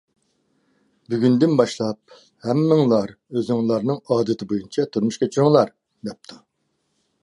بۈگۈندىن باشلاپ، ھەممىڭلار ئۆزۈڭلارنىڭ ئادىتى بويىچە تۇرمۇش كەچۈرۈڭلار! دەپتۇ.